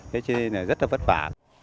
thế cho nên là rất là vất vả